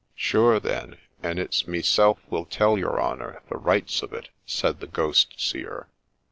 ' Sure then, and it 's rneself will tell your honour the rights of it,' said the ghost seer.